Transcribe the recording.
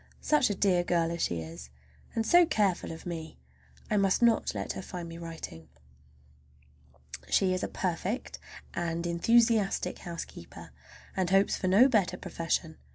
Such a dear girl as she is, and so careful of me! I must not let her find me writing. She is a perfect, and enthusiastic housekeeper, and hopes for no better profession.